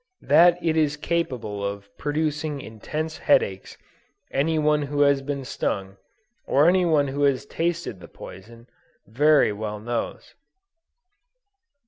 That it is capable of producing intense head aches any one who has been stung, or who has tasted the poison, very well knows.